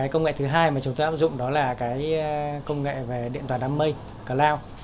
công nghệ thứ hai mà chúng tôi áp dụng đó là công nghệ về điện thoại đám mây cloud